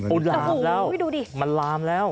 อุ๊ดลามแล้วมันลามแล้ว